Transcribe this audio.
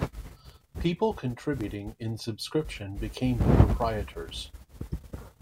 People contributing in subscription became the proprietors.